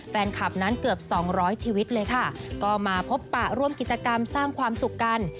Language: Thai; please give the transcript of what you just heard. แฟนคลับนั้นเกือบสองร้อยชีวิตเลยค่ะก็มาพบปะร่วมกิจกรรมสร้างความสุขกัน